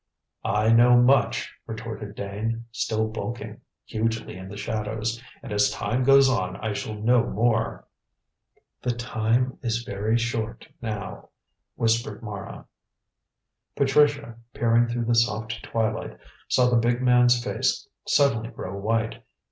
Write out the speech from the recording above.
"I know much," retorted Dane, still bulking hugely in the shadows, "and as time goes on I shall know more." "The time is very short now," whispered Mara. Patricia, peering through the soft twilight, saw the big man's face suddenly grow white.